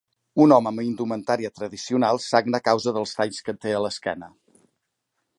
Un home amb indumentària tradicional sagna a causa dels talls que té a l'esquena.